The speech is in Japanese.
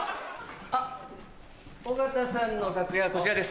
あっ尾形さんの楽屋こちらです。